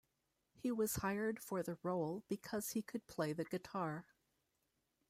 He was hired for the role because he could play the guitar.